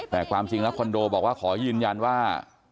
แต่ความจริงแล้วคอนโดบอกว่าขอยืนยันว่า